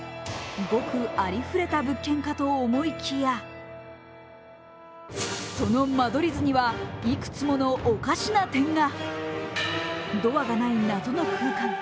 ごくありふれた物件かと思いきやその間取り図にはいくつものおかしな点が。